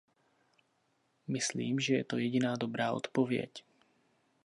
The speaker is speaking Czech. Myslím, že to je jediná dobrá odpověď.